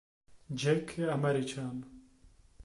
Jack je Američan.